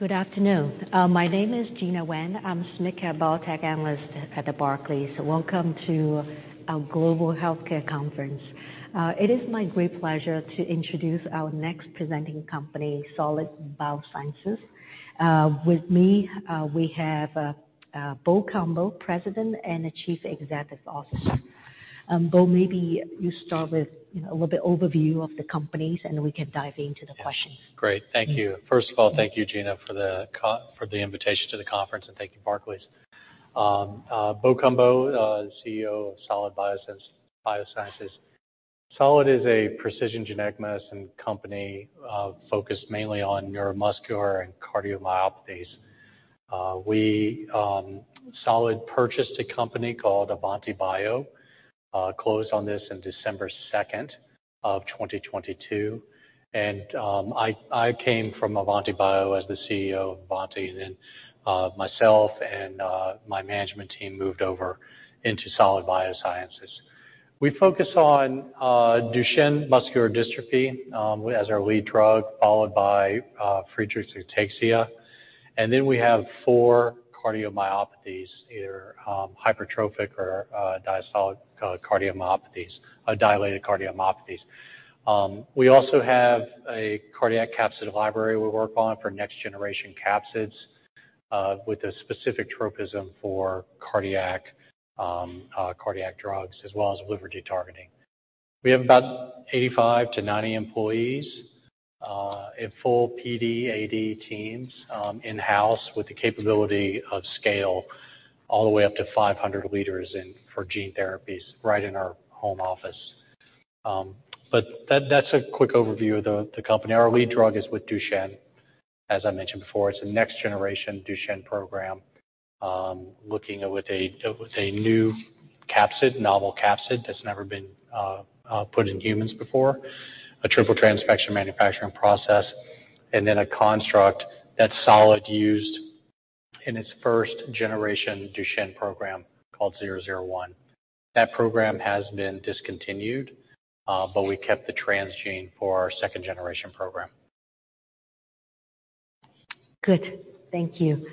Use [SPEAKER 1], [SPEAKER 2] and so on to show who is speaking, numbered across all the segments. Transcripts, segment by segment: [SPEAKER 1] Good afternoon. My name is Gena Wang. I'm SMID-cap biotech analyst at Barclays. Welcome to our Global Healthcare conference. It is my great pleasure to introduce our next presenting company, Solid Biosciences. With me, we have Bo Cumbo, President and Chief Executive Officer. Bo, maybe you start with, you know, a little bit overview of the companies, and we can dive into the questions.
[SPEAKER 2] Great. Thank you. First of all, thank you, Gena, for the invitation to the conference, and thank you, Barclays. Bo Cumbo, CEO of Solid Biosciences. Solid is a precision genetic medicine company, focused mainly on neuromuscular and cardiomyopathies. We, Solid purchased a company called AavantiBio, closed on this in December 2nd of 2022, and I came from AavantiBio as the CEO of Avanti. Then, myself and my management team moved over into Solid Biosciences. We focus on Duchenne muscular dystrophy as our lead drug, followed by Friedreich's ataxia. Then we have four cardiomyopathies, either hypertrophic or diastolic cardiomyopathies or dilated cardiomyopathies. We also have a cardiac capsid library we work on for next-generation capsids, with a specific tropism for cardiac drugs as well as liver de-targeting. We have about 85-90 employees, and full PD/AD teams, in-house with the capability of scale all the way up to 500 liters and for gene therapies right in our home office. That, that's a quick overview of the company. Our lead drug is with Duchenne. As I mentioned before, it's a next-generation Duchenne program, looking at with a new capsid, novel capsid that's never been put in humans before, a triple transfection manufacturing process, and then a construct that Solid used in its first-generation Duchenne program called 001. That program has been discontinued, but we kept the transgene for our second-generation program.
[SPEAKER 1] Good. Thank you.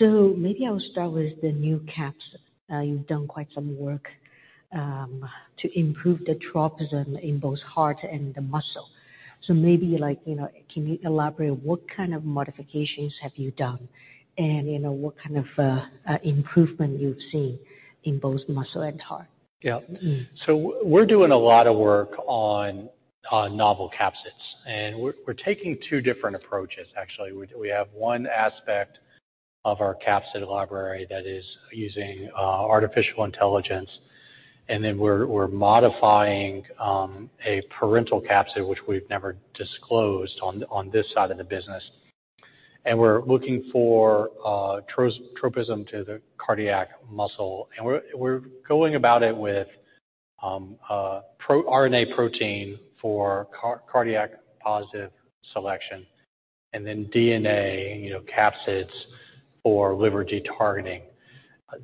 [SPEAKER 1] Maybe I'll start with the new capsid. You've done quite some work to improve the tropism in both heart and the muscle. Maybe like, you know, can you elaborate what kind of modifications have you done and, you know, what kind of improvement you've seen in both muscle and heart?
[SPEAKER 2] Yeah. We're doing a lot of work on novel capsids, and we're taking 2 different approaches, actually. We, we have one aspect of our capsid library that is using artificial intelligence, and then we're modifying a parental capsid which we've never disclosed on this side of the business. We're looking for tropism to the cardiac muscle, and we're going about it with RNA protein for cardiac positive selection and then DNA, you know, capsids for liver de-targeting.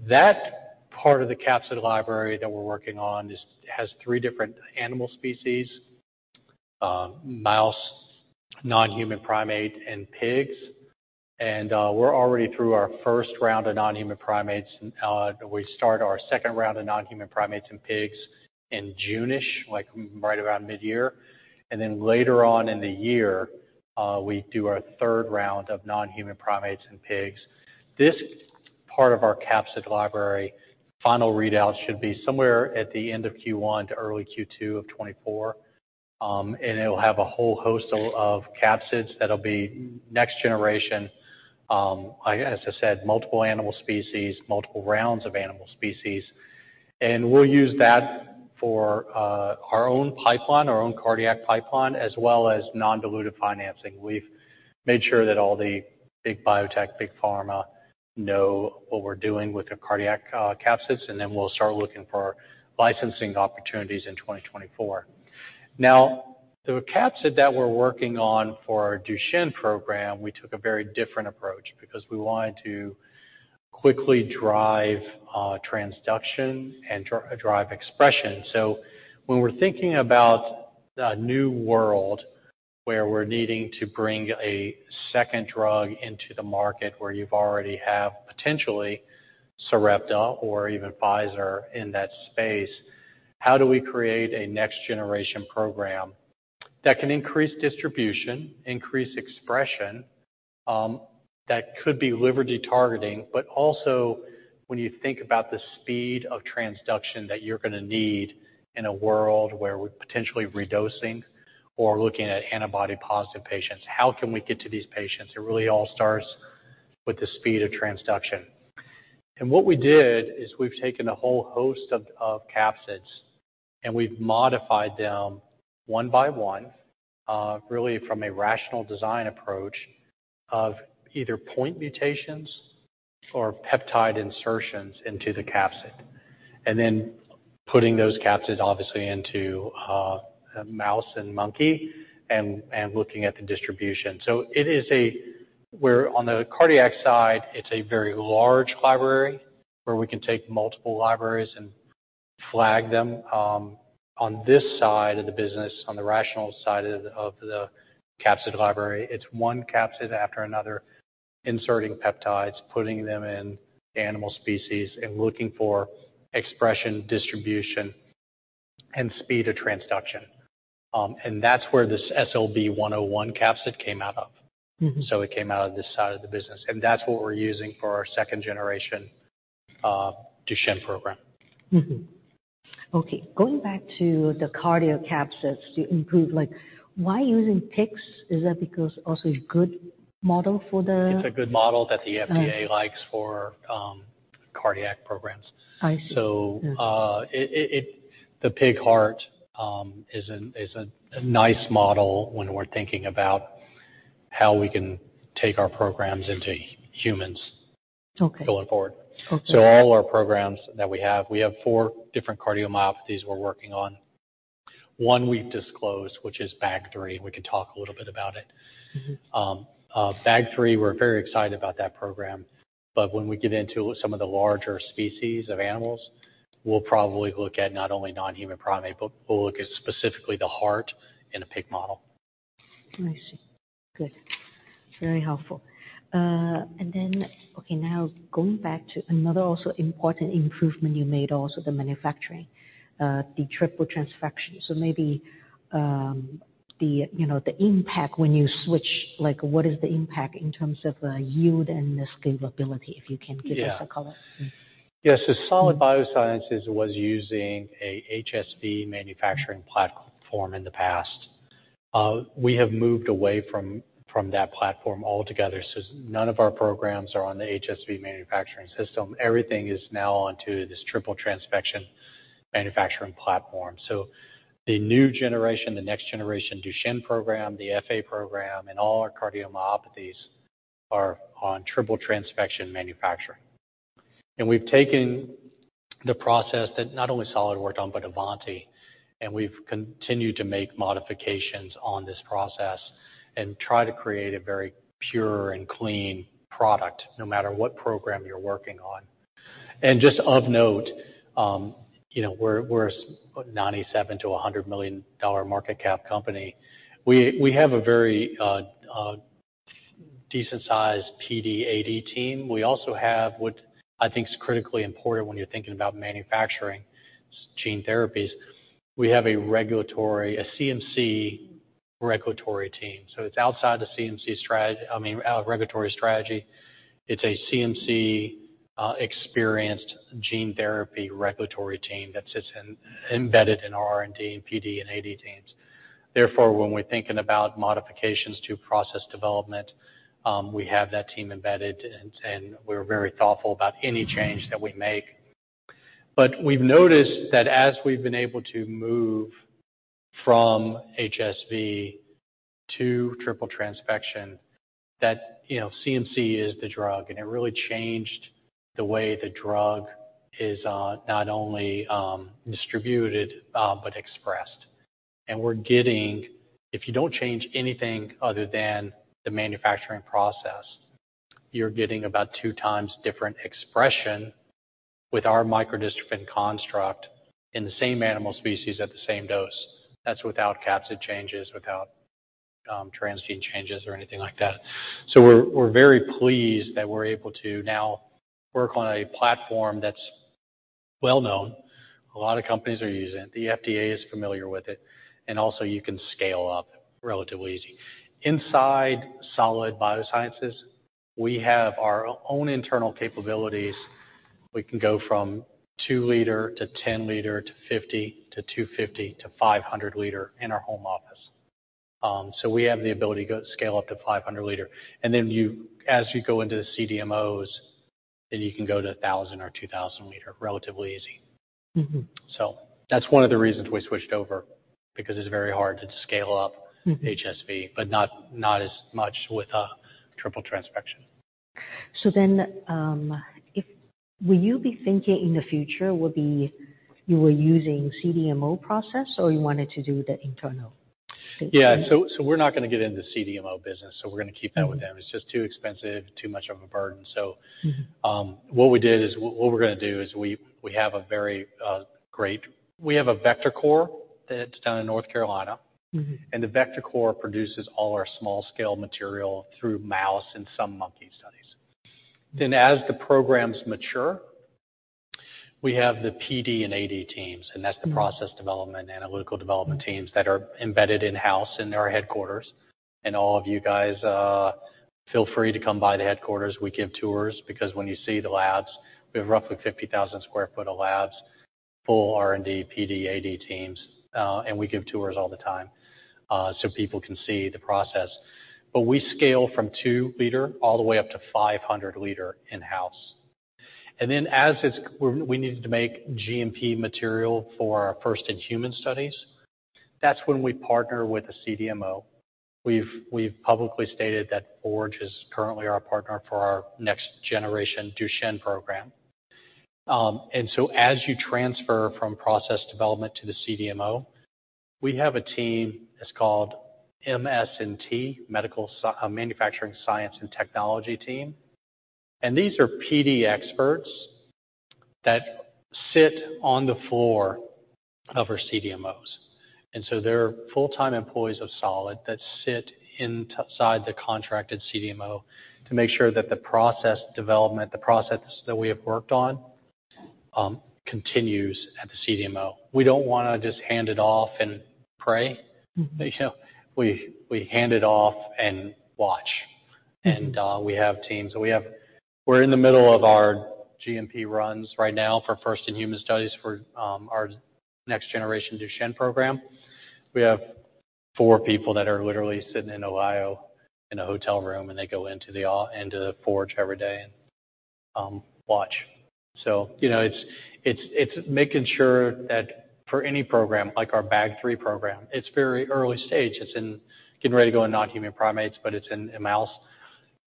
[SPEAKER 2] That part of the capsid library that we're working on has 3 different animal species, mouse, non-human primate, and pigs. We're already through our 1st round of non-human primates. We start our 2nd round of non-human primates and pigs in June-ish, like right around mid-year. Later on in the year, we do our third round of non-human primates and pigs. This part of our capsid library, final readout should be somewhere at the end of Q1 to early Q2 of 2024. It'll have a whole host of capsids that'll be next generation, like, as I said, multiple animal species, multiple rounds of animal species, and we'll use that for our own pipeline, our own cardiac pipeline, as well as non-dilutive financing. We've made sure that all the big biotech, big pharma know what we're doing with the cardiac capsids, and then we'll start looking for licensing opportunities in 2024. The capsid that we're working on for our Duchenne program, we took a very different approach because we wanted to quickly drive transduction and drive expression. When we're thinking about a new world where we're needing to bring a second drug into the market where you've already have potentially Sarepta or even Pfizer in that space, how do we create a next-generation program that can increase distribution, increase expression, that could be liver de-targeting? Also when you think about the speed of transduction that you're gonna need in a world where we're potentially redosing or looking at antibody-positive patients, how can we get to these patients? It really all starts with the speed of transduction. What we did is we've taken a whole host of capsids, and we've modified them one by one, really from a rational design approach of either point mutations or peptide insertions into the capsid. Then putting those capsids obviously into, a mouse and monkey and looking at the distribution. We're on the cardiac side, it's a very large library where we can take multiple libraries and flag them, on this side of the business, on the rational side of the capsid library, it's one capsid after another, inserting peptides, putting them in animal species, and looking for expression, distribution, and speed of transduction. That's where this SLB-101 capsid came out of.
[SPEAKER 1] Mm-hmm.
[SPEAKER 2] It came out of this side of the business, and that's what we're using for our second generation, Duchenne program.
[SPEAKER 1] Okay. Going back to the cardio capsids to improve like why using pigs? Is that because also a good model for?
[SPEAKER 2] It's a good model that the FDA likes for cardiac programs.
[SPEAKER 1] I see.
[SPEAKER 2] It, the pig heart, is a nice model when we're thinking about how we can take our programs into humans.
[SPEAKER 1] Okay.
[SPEAKER 2] going forward.
[SPEAKER 1] Okay.
[SPEAKER 2] All our programs that we have, we have four different cardiomyopathies we're working on. One we've disclosed, which is BAG3. We can talk a little bit about it.
[SPEAKER 1] Mm-hmm.
[SPEAKER 2] BAG3, we're very excited about that program. When we get into some of the larger species of animals, we'll probably look at not only non-human primate, but we'll look at specifically the heart in a pig model.
[SPEAKER 1] I see. Good. Very helpful. Now going back to another also important improvement you made also the manufacturing, the triple transfection. Maybe, you know, the impact when you switch, like what is the impact in terms of yield and the scalability?
[SPEAKER 2] Yeah.
[SPEAKER 1] Give us a color.
[SPEAKER 2] Solid Biosciences was using a HSV manufacturing platform in the past. We have moved away from that platform altogether, so none of our programs are on the HSV manufacturing system. Everything is now onto this triple transfection manufacturing platform. The new generation, the next generation Duchenne program, the FA program, and all our cardiomyopathies are on triple transfection manufacturing. We've taken the process that not only Solid worked on, but AavantiBio, and we've continued to make modifications on this process and try to create a very pure and clean product no matter what program you're working on. Just of note, you know, we're $97 million-$100 million dollar market cap company. We have a very decent sized PD/AD team. We also have what I think is critically important when you're thinking about manufacturing gene therapies. We have a regulatory, a CMC regulatory team, so it's outside the CMC strategy. I mean, regulatory strategy. It's a CMC experienced gene therapy regulatory team that sits in, embedded in our R&D PD/AD teams. Therefore, when we're thinking about modifications to process development, we have that team embedded and we're very thoughtful about any change that we make. But we've noticed that as we've been able to move from HSV to triple transfection, that, you know, CMC is the drug, and it really changed the way the drug is not only distributed but expressed. We're getting... If you don't change anything other than the manufacturing process, you're getting about 2 times different expression with our microdystrophin construct in the same animal species at the same dose. That's without capsid changes, without transgene changes or anything like that. We're very pleased that we're able to now work on a platform that's well-known. A lot of companies are using it, the FDA is familiar with it, you can scale up relatively easy. Inside Solid Biosciences, we have our own internal capabilities. We can go from 2 liter to 10 liter to 50 to 250 to 500 liter in our home office. We have the ability to go scale up to 500 liter. You, as you go into the CDMOs, then you can go to 1,000 or 2,000 liter relatively easy.
[SPEAKER 1] Mm-hmm.
[SPEAKER 2] That's one of the reasons we switched over, because it's very hard to scale.
[SPEAKER 1] Mm-hmm.
[SPEAKER 2] HSV, but not as much with a triple transfection.
[SPEAKER 1] Will you be thinking in the future will be you were using CDMO process, or you wanted to do the internal?
[SPEAKER 2] Yeah. We're not gonna get into CDMO business, so we're gonna keep that with them. It's just too expensive, too much of a burden, so.
[SPEAKER 1] Mm-hmm.
[SPEAKER 2] We have a vector core that's down in North Carolina.
[SPEAKER 1] Mm-hmm.
[SPEAKER 2] The vector core produces all our small scale material through mouse and some monkey studies. As the programs mature, we have the PD and AD teams, and that's the process development, analytical development teams that are embedded in-house in our headquarters. All of you guys feel free to come by the headquarters. We give tours because when you see the labs, we have roughly 50,000 sq ft of labs, full R&D, PD/AD teams, and we give tours all the time so people can see the process. We scale from 2 liter all the way up to 500 liter in-house. Then as we needed to make GMP material for our first in-human studies, that's when we partner with a CDMO. We've publicly stated that Forge is currently our partner for our next generation Duchenne program. As you transfer from process development to the CDMO, we have a team that's called MS&T, Manufacturing Science and Technology team. These are PD experts that sit on the floor of our CDMOs. They're full-time employees of Solid that sit inside the contracted CDMO to make sure that the process development, the process that we have worked on, continues at the CDMO. We don't wanna just hand it off and pray, you know? We hand it off and watch.
[SPEAKER 1] Mm-hmm.
[SPEAKER 2] We have teams. We're in the middle of our GMP runs right now for first in human studies for our next generation Duchenne program. We have four people that are literally sitting in Ohio in a hotel room, and they go into the Forge every day and watch. You know, it's making sure that for any program, like our BAG3 program, it's very early stage. It's getting ready to go in non-human primates, but it's in a mouse.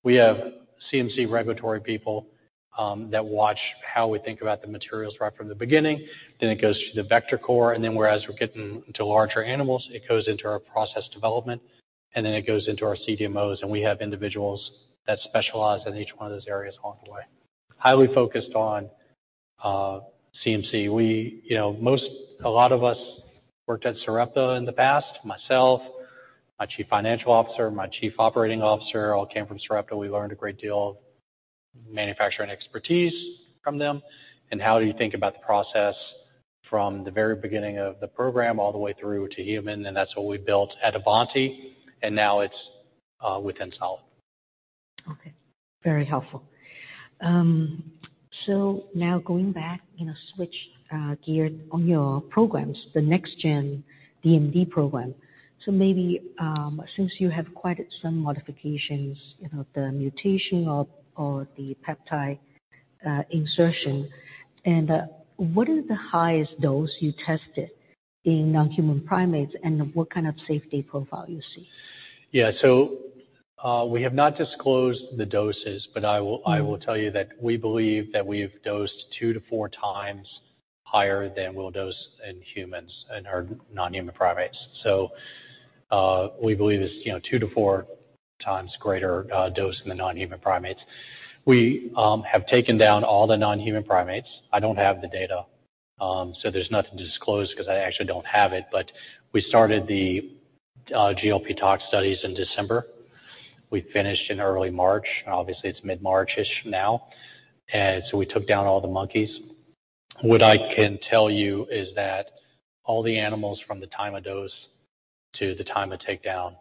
[SPEAKER 2] We have CMC regulatory people, that watch how we think about the materials right from the beginning. It goes to the vector core. Whereas we're getting to larger animals, it goes into our process development. It goes into our CDMOs. We have individuals that specialize in each one of those areas along the way. Highly focused on CMC. We, you know, A lot of us worked at Sarepta in the past. Myself, my chief financial officer, my chief operating officer, all came from Sarepta. We learned a great deal of manufacturing expertise from them and how do you think about the process from the very beginning of the program all the way through to human. That's what we built at Avanti. Now it's within Solid.
[SPEAKER 1] Okay. Very helpful. Now going back, you know, switch gears on your programs, the next-gen DMD program. Maybe, since you have quite some modifications, you know, the mutation or the peptide insertion, and what is the highest dose you tested in non-human primates, and what kind of safety profile you see?
[SPEAKER 2] Yeah. We have not disclosed the doses, but I will tell you that we believe that we've dosed two to four times higher than we'll dose in humans, in our non-human primates. We believe it's, you know, two to four times greater, dose in the non-human primates. We have taken down all the non-human primates. I don't have the data, so there's nothing to disclose 'cause I actually don't have it. We started the GLP toxicology studies in December. We finished in early March. Obviously, it's mid-March-ish now. We took down all the monkeys. What I can tell you is that all the animals from the time of dose to the time of takedown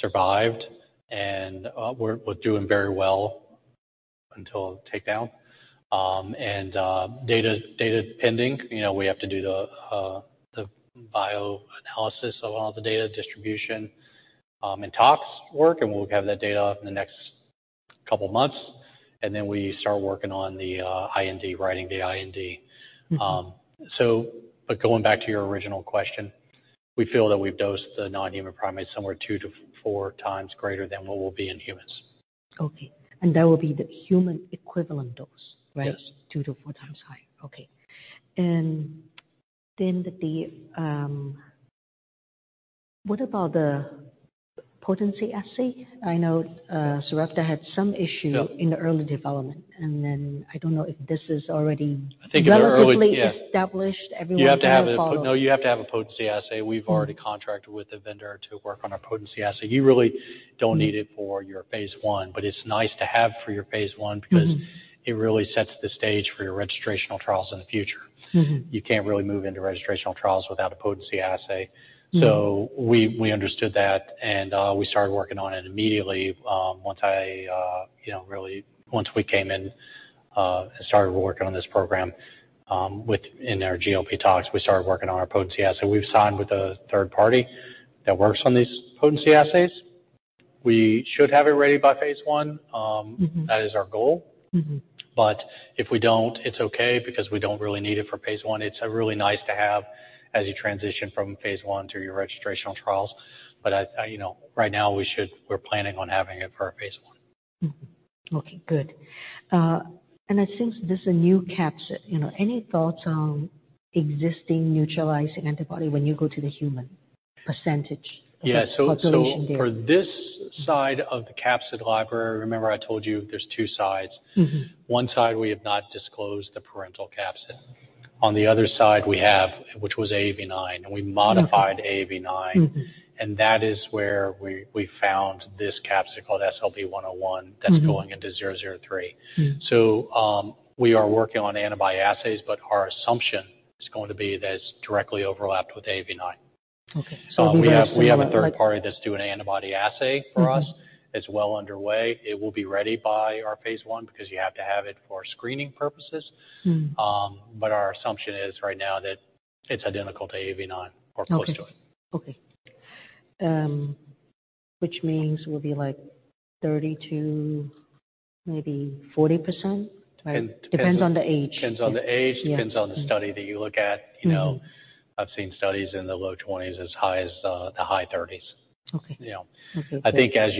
[SPEAKER 2] survived and were doing very well until takedown. Data, data pending, you know, we have to do the bioanalysis of all the data distribution, and tox work, and we'll have that data in the next couple months. We start working on the IND, writing the IND.
[SPEAKER 1] Mm-hmm.
[SPEAKER 2] Going back to your original question, we feel that we've dosed the non-human primates somewhere 2-4 times greater than what will be in humans.
[SPEAKER 1] Okay. That will be the human equivalent dose, right?
[SPEAKER 2] Yes.
[SPEAKER 1] 2 to 4 times high. Okay. What about the potency assay? I know Sarepta had some.
[SPEAKER 2] Yep.
[SPEAKER 1] In the early development, and then I don't know if this is already.
[SPEAKER 2] I think in the early, yeah.
[SPEAKER 1] relatively established, everyone kind of follows.
[SPEAKER 2] No, you have to have a potency assay. We've already contracted with the vendor to work on our potency assay. You really don't need it for your phase I, but it's nice to have for your phase I because-
[SPEAKER 1] Mm-hmm.
[SPEAKER 2] It really sets the stage for your registrational trials in the future.
[SPEAKER 1] Mm-hmm.
[SPEAKER 2] You can't really move into registrational trials without a potency assay.
[SPEAKER 1] Mm.
[SPEAKER 2] We understood that, and we started working on it immediately, once I, you know, really once we came in, and started working on this program, with in our GLP toxicology, we started working on our potency assay. We've signed with a third party that works on these potency assays. We should have it ready by phase I.
[SPEAKER 1] Mm-hmm.
[SPEAKER 2] that is our goal.
[SPEAKER 1] Mm-hmm.
[SPEAKER 2] If we don't, it's okay because we don't really need it for phase I. It's really nice to have as you transition from phase I through your registrational trials. I, you know, right now we're planning on having it for our phase I.
[SPEAKER 1] Mm-hmm. Okay, good. It seems this a new capsid. You knw, any thoughts on existing neutralizing antibody when you go to the human percentage?
[SPEAKER 2] Yeah.
[SPEAKER 1] Population data.
[SPEAKER 2] For this side of the capsid library, remember I told you there's two sides.
[SPEAKER 1] Mm-hmm.
[SPEAKER 2] One side we have not disclosed the parental capsid. On the other side, we have, which was AAV9, and we modified AAV9.
[SPEAKER 1] Mm-hmm.
[SPEAKER 2] That is where we found this capsid called SLB-101 that's going into SGT-003.
[SPEAKER 1] Mm.
[SPEAKER 2] We are working on antibody assays, but our assumption is going to be that it's directly overlapped with AAV9.
[SPEAKER 1] Okay. Do you have similar like-?
[SPEAKER 2] We have a third party that's doing an antibody assay for us.
[SPEAKER 1] Mm-hmm.
[SPEAKER 2] It's well underway. It will be ready by our phase I because you have to have it for screening purposes.
[SPEAKER 1] Mm.
[SPEAKER 2] Our assumption is right now that it's identical to AAV9 or close to it.
[SPEAKER 1] Okay. Okay. Which means it will be like 30 to maybe 40%?
[SPEAKER 2] Depend-
[SPEAKER 1] Depends on the age.
[SPEAKER 2] Depends on the age.
[SPEAKER 1] Yeah.
[SPEAKER 2] Depends on the study that you look at.
[SPEAKER 1] Mm-hmm.
[SPEAKER 2] You know, I've seen studies in the low 20s as high as the high 30s.
[SPEAKER 1] Okay.
[SPEAKER 2] You know.
[SPEAKER 1] Okay. Great.
[SPEAKER 2] I think as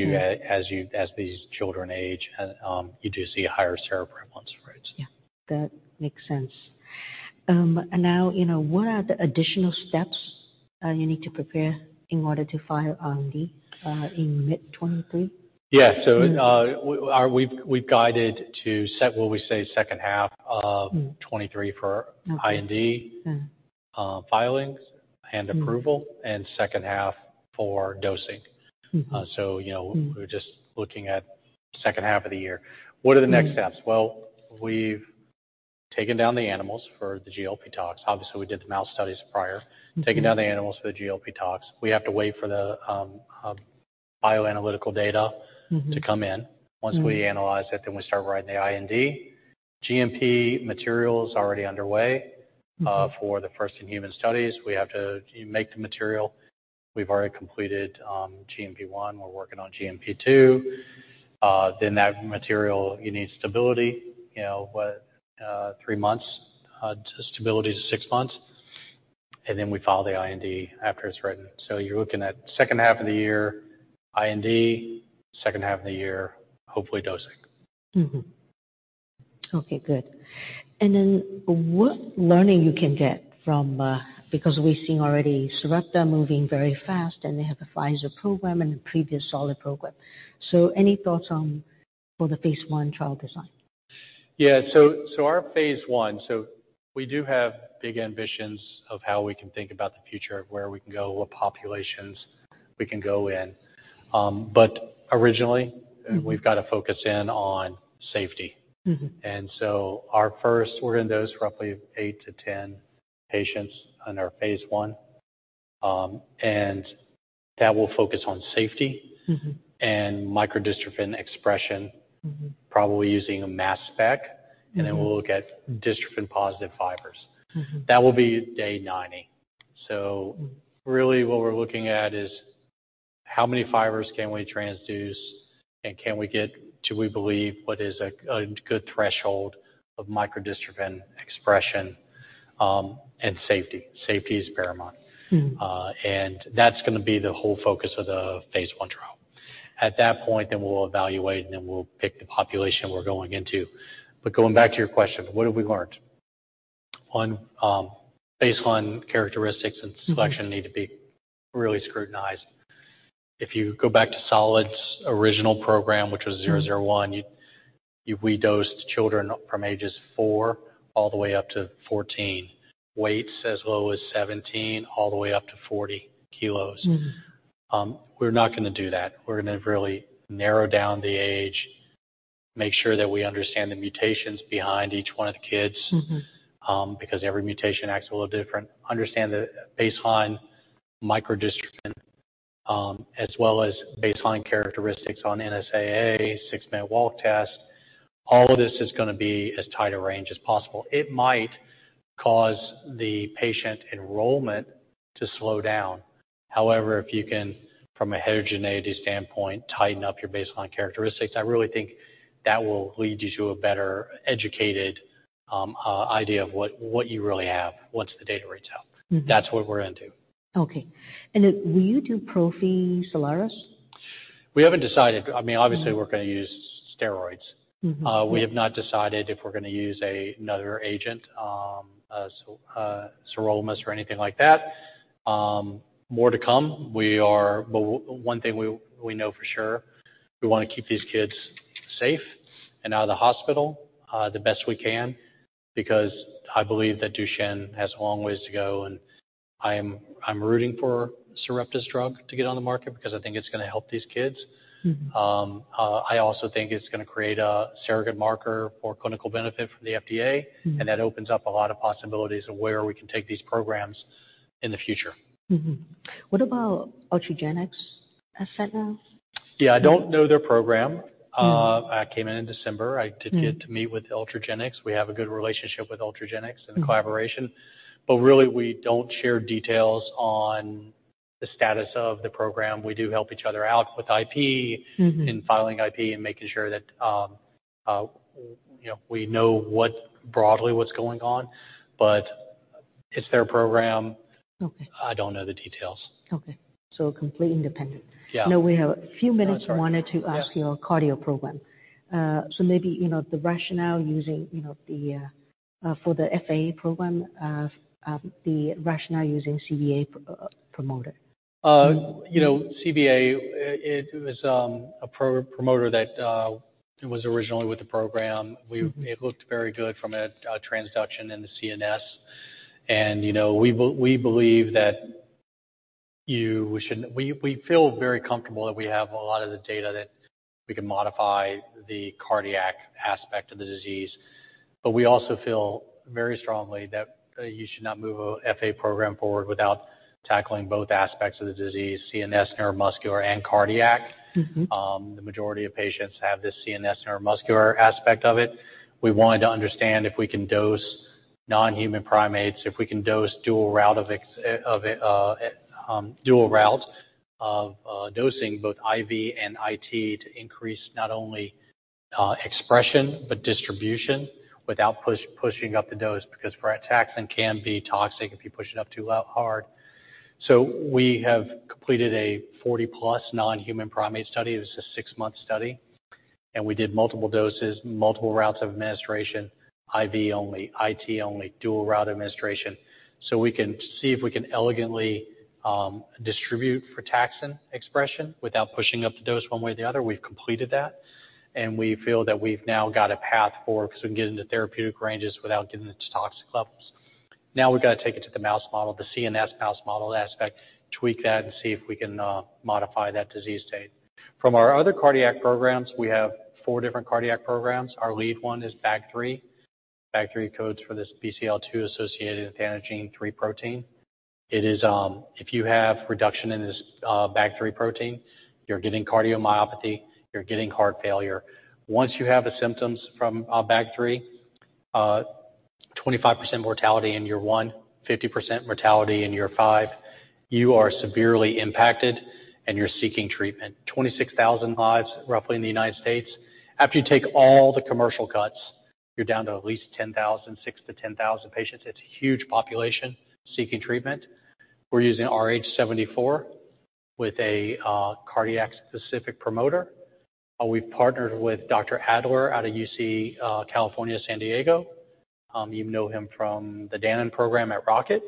[SPEAKER 2] you, as these children age, you do see higher sera.
[SPEAKER 1] That makes sense. Now, you know, what are the additional steps you need to prepare in order to file IND in mid 2023?
[SPEAKER 2] Yeah. We've guided to set what we say second half of-
[SPEAKER 1] Mm.
[SPEAKER 2] 23 for IND.
[SPEAKER 1] Yeah.
[SPEAKER 2] filings and approval and second half for dosing.
[SPEAKER 1] Mm-hmm.
[SPEAKER 2] You know, we're just looking at second half of the year. What are the next steps? Well, we've taken down the animals for the GLP toxicology. Obviously, we did the mouse studies prior.
[SPEAKER 1] Mm-hmm.
[SPEAKER 2] Taking down the animals for the GLP toxicology. We have to wait for the bioanalytical data.
[SPEAKER 1] Mm-hmm.
[SPEAKER 2] -to come in. Once we analyze it, we start writing the IND. GMP material is already underway.
[SPEAKER 1] Mm-hmm.
[SPEAKER 2] For the first in human studies, we have to make the material. We've already completed GMP 1. We're working on GMP 2. That material, you need stability. 3 months to stability to 6 months, we file the IND after it's written. You're looking at second half of the year IND, second half of the year, hopefully dosing.
[SPEAKER 1] Mm-hmm. Okay, good. What learning you can get from? Because we're seeing already Sarepta moving very fast, and they have a Pfizer program and a previous solid program. Any thoughts on for the phase I trial design?
[SPEAKER 2] Yeah. We do have big ambitions of how we can think about the future, of where we can go, what populations we can go in. Originally-
[SPEAKER 1] Mm-hmm.
[SPEAKER 2] We've got to focus in on safety.
[SPEAKER 1] Mm-hmm.
[SPEAKER 2] Our first, we're gonna dose roughly 8 to 10 patients on our phase I. That will focus on safety.
[SPEAKER 1] Mm-hmm.
[SPEAKER 2] microdystrophin expression.
[SPEAKER 1] Mm-hmm.
[SPEAKER 2] probably using a mass spectrometry.
[SPEAKER 1] Mm-hmm.
[SPEAKER 2] We'll look at dystrophin-positive fibers.
[SPEAKER 1] Mm-hmm.
[SPEAKER 2] That will be day 90. Really what we're looking at is how many fibers can we transduce and can we get to we believe what is a good threshold of microdystrophin expression, and safety. Safety is paramount.
[SPEAKER 1] Mm.
[SPEAKER 2] That's gonna be the whole focus of the phase I trial. At that point, then we'll evaluate, and then we'll pick the population we're going into. Going back to your question, what have we learned? 1, baseline characteristics...
[SPEAKER 1] Mm-hmm.
[SPEAKER 2] Selection need to be really scrutinized. If you go back to Solid's original program, which was SGT-001, you redosed children from ages 4 all the way up to 14, weights as low as 17 all the way up to 40 kg.
[SPEAKER 1] Mm-hmm.
[SPEAKER 2] We're not gonna do that. We're gonna really narrow down the age, make sure that we understand the mutations behind each one of the kids-
[SPEAKER 1] Mm-hmm.
[SPEAKER 2] Because every mutation acts a little different. Understand the baseline microdystrophin, as well as baseline characteristics on NSAA, six-minute walk test. All of this is gonna be as tight a range as possible. It might cause the patient enrollment to slow down. If you can, from a heterogeneity standpoint, tighten up your baseline characteristics, I really think that will lead you to a better educated idea of what you really have once the data rates out.
[SPEAKER 1] Mm-hmm.
[SPEAKER 2] That's what we're into.
[SPEAKER 1] Okay. Will you do prophylactic Soliris?
[SPEAKER 2] We haven't decided. I mean, obviously we're gonna use steroids.
[SPEAKER 1] Mm-hmm. Yeah.
[SPEAKER 2] We have not decided if we're gonna use another agent, so, Sirolimus or anything like that. More to come. One thing we know for sure, we wanna keep these kids safe and out of the hospital, the best we can because I believe that Duchenne has a long ways to go. I'm rooting for Sarepta's drug to get on the market because I think it's gonna help these kids.
[SPEAKER 1] Mm-hmm.
[SPEAKER 2] I also think it's gonna create a surrogate marker for clinical benefit from the FDA.
[SPEAKER 1] Mm-hmm.
[SPEAKER 2] That opens up a lot of possibilities of where we can take these programs in the future.
[SPEAKER 1] Mm-hmm. What about Ultragenyx asset now?
[SPEAKER 2] Yeah. I don't know their program.
[SPEAKER 1] Mm.
[SPEAKER 2] I came in in December.
[SPEAKER 1] Mm.
[SPEAKER 2] I did get to meet with Ultragenyx. We have a good relationship with Ultragenyx and collaboration, but really we don't share details on the status of the program. We do help each other out with IP-
[SPEAKER 1] Mm-hmm.
[SPEAKER 2] in filing IP and making sure that, you know, we know what broadly what's going on. It's their program.
[SPEAKER 1] Okay.
[SPEAKER 2] I don't know the details.
[SPEAKER 1] Okay. complete independent.
[SPEAKER 2] Yeah.
[SPEAKER 1] We have a few minutes.
[SPEAKER 2] Oh, sorry. Yeah.
[SPEAKER 1] I wanted to ask your cardio program. Maybe, you know, the rationale using, you know, the for the FA program of the rationale using CMV promoter.
[SPEAKER 2] You know, CMV it was a promoter that was originally with the program. It looked very good from a transduction in the CNS. You know, we believe that We feel very comfortable that we have a lot of the data that we can modify the cardiac aspect of the disease. We also feel very strongly that you should not move a FA program forward without tackling both aspects of the disease, CNS, neuromuscular, and cardiac.
[SPEAKER 1] Mm-hmm.
[SPEAKER 2] The majority of patients have this CNS neuromuscular aspect of it. We wanted to understand if we can dose non-human primates, if we can dose dual route of dosing both IV and IT to increase not only expression but distribution without pushing up the dose because frataxin can be toxic if you push it up too out hard. We have completed a 40-plus non-human primate study. It was a 6-month study, and we did multiple doses, multiple routes of administration, IV only, IT only, dual route administration. We can see if we can elegantly distribute frataxin expression without pushing up the dose one way or the other. We've completed that, and we feel that we've now got a path forward so we can get into therapeutic ranges without getting into toxic levels. Now we've got to take it to the mouse model, the CNS mouse model aspect, tweak that, and see if we can modify that disease state. From our other cardiac programs, we have four different cardiac programs. Our lead one is BAG3. BAG3 codes for this Bcl-2-associated athanogene 3 protein. It is, if you have reduction in this BAG3 protein, you're getting cardiomyopathy, you're getting heart failure. Once you have the symptoms from BAG3, 25% mortality in year one, 50% mortality in year five, you are severely impacted and you're seeking treatment. 26,000 lives roughly in the United States. After you take all the commercial cuts, you're down to at least 10,000, 6,000-10,000 patients. It's a huge population seeking treatment. We're using RH74 with a cardiac-specific promoter. We've partnered with Dr. Adler out of UC California, San Diego. You know him from the Danon program at Rocket.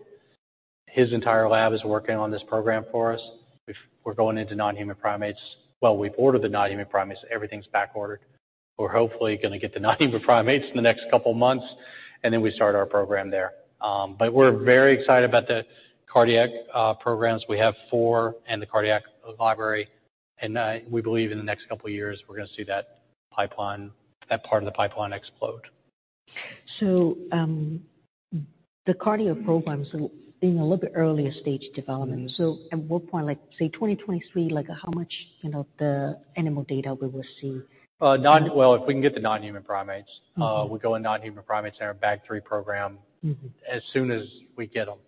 [SPEAKER 2] His entire lab is working on this program for us, which we're going into non-human primates. Well, we've ordered the non-human primates. Everything's backordered. We're hopefully gonna get the non-human primates in the next couple of months, then we start our program there. We're very excited about the cardiac programs. We have four in the cardiac library, we believe in the next couple of years we're gonna see that pipeline, that part of the pipeline explode.
[SPEAKER 1] The cardio program's in a little bit earlier stage development.
[SPEAKER 2] Mm-hmm.
[SPEAKER 1] At what point, like say 2023, like how much, you know, the animal data we will see?
[SPEAKER 2] Well, if we can get the non-human primates.
[SPEAKER 1] Mm-hmm.
[SPEAKER 2] We go in non-human primates in our BAG3 program.
[SPEAKER 1] Mm-hmm
[SPEAKER 2] as soon as we get them.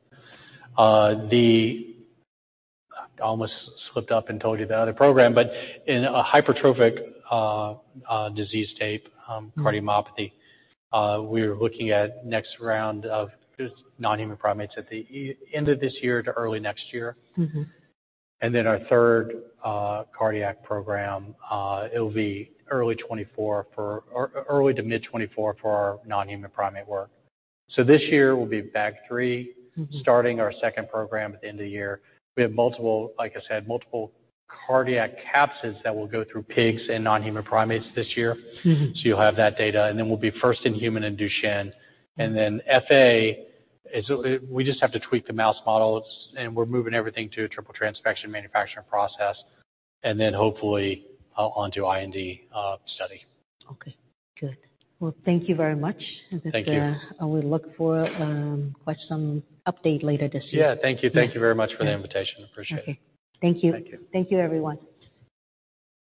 [SPEAKER 2] I almost slipped up and told you the other program, but in a hypertrophic, disease tape, cardiomyopathy...
[SPEAKER 1] Mm-hmm
[SPEAKER 2] We're looking at next round of just non-human primates at the end of this year to early next year.
[SPEAKER 1] Mm-hmm.
[SPEAKER 2] Our third cardiac program, it'll be early to mid 2024 for our non-human primate work. This year will be BAG3.
[SPEAKER 1] Mm-hmm.
[SPEAKER 2] Starting our second program at the end of the year. We have multiple, like I said, multiple cardiac capsids that will go through pigs and non-human primates this year.
[SPEAKER 1] Mm-hmm.
[SPEAKER 2] You'll have that data, and then we'll be first in human and Duchenne. FA is, we just have to tweak the mouse models, and we're moving everything to a triple transfection manufacturing process, and then hopefully on to IND study.
[SPEAKER 1] Okay, good. Well, thank you very much.
[SPEAKER 2] Thank you.
[SPEAKER 1] This, I will look for, quite some update later this year.
[SPEAKER 2] Yeah. Thank you. Thank you very much for the invitation. Appreciate it.
[SPEAKER 1] Okay. Thank you.
[SPEAKER 2] Thank you.
[SPEAKER 1] Thank you, everyone.